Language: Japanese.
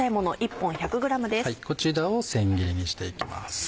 こちらを千切りにして行きます。